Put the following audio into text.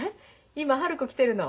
今春子来てるの。